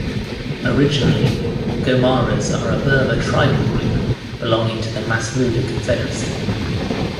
Originally, Ghomaras are a Berber tribal group belonging to the Masmouda confederacy.